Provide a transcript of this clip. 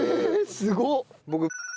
すごっ！